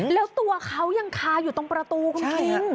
แล้วตัวเขายังคาอยู่ตรงประตูคุณคิง